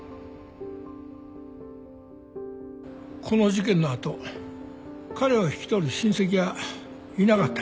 この事件の後彼を引き取る親戚はいなかった。